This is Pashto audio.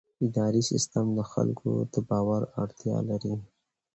اداري سیستم د خلکو د باور اړتیا لري.